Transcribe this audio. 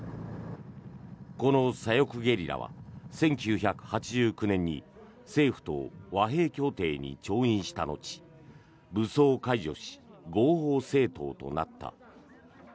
この左翼ゲリラは１９８９年に政府と和平協定に調印した後武装を解除し合法政党となった。